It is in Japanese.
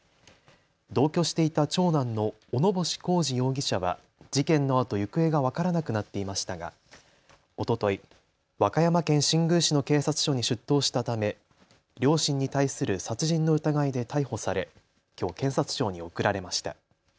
同居していた長男の小野星浩志容疑者は事件のあと行方が分からなくなっていましたがおととい、和歌山県新宮市の警察署に出頭したため両親に対する殺人の疑いで逮捕され、きょう検察庁に送られました。